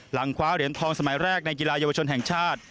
คว้าเหรียญทองสมัยแรกในกีฬาเยาวชนแห่งชาติ